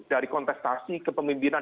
dari kontestasi kepemimpinan